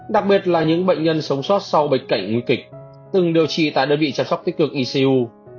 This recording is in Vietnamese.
đặc biệt là những bệnh nhân sống sót sau bệnh cảnh nguy kịch từng điều trị tại đơn vị chăm sóc tích cực icu